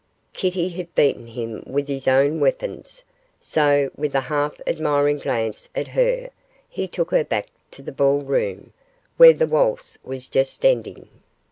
Kitty had beaten him with his own weapons, so, with a half admiring glance at her, he took her back to the ball room, where the waltz was just ending.